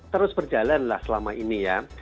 terus berjalan lah selama ini ya